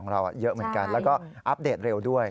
เราเยอะเหมือนกันแล้วก็อัปเดตเร็วด้วย